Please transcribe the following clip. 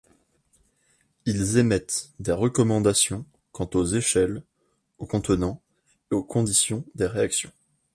Ils émettent des recommandations quant aux échelles, aux contenants et aux conditions des réactions.